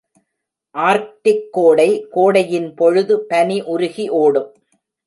Arctic கோடை கோடையின்பொழுது பனி உருகி ஓடும்.